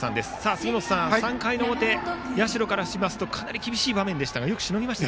杉本さん、３回の表社からするとかなり厳しい場面でしたがよくしのぎました。